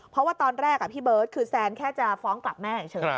เพราะว่าตอนแรกพี่เบิร์ตคือแซนแค่จะฟ้องกลับแม่เฉย